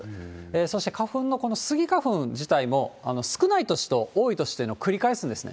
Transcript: そして花粉の、このスギ花粉自体も、少ない年と多い年というのを繰り返すんですね。